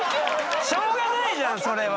しょうがないじゃんそれは。